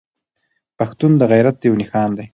پښتون د غيرت يو نښان دی.